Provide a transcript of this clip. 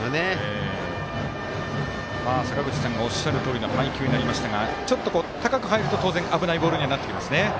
坂口さんがおっしゃるとおりの配球になりましたがちょっと高く入ると当然危ないボールになってきますね。